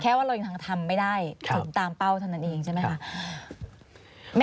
ว่าเรายังทำไม่ได้ถึงตามเป้าเท่านั้นเองใช่ไหมคะ